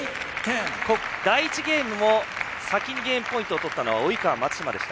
第１ゲームも先にゲームポイントを取ったのは及川、松島でした。